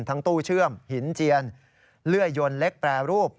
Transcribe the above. ตู้เชื่อมหินเจียนเลื่อยยนเล็กแปรรูป